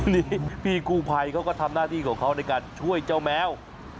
นี่พี่กู้ภัยเขาก็ทำหน้าที่ของเขาในการช่วยเจ้าแมว